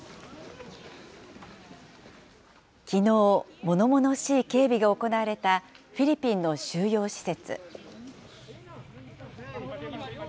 きのう、ものものしい警備が行われたフィリピンの収容施設。